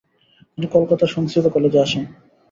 তিনি কলকাতার সংস্কৃত কলেজে আসেন।